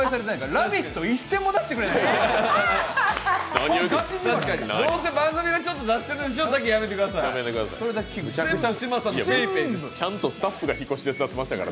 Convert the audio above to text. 「ラヴィット！」、一銭も出してくれないですから。